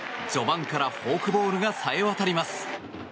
序盤からフォークボールが冴え渡ります。